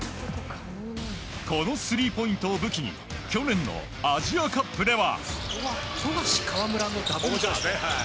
このスリーポイントを武器に去年のアジアカップでは。